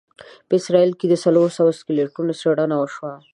په اسرایل کې د څلوروسوو سکلیټونو څېړنه وشوه.